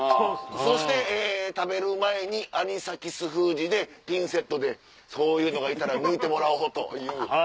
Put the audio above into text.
そして食べる前にアニサキス封じでピンセットでそういうのがいたら抜いてもらおうという。